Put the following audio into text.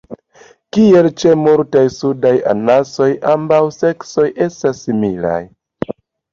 Kiel ĉe multaj sudaj anasoj, ambaŭ seksoj estas similaj.